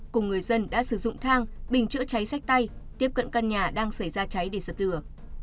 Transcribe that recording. cùng người dân đã sử dụng thang bình chữa cháy sách tay tiếp cận căn nhà đang xảy ra cháy để dập lửa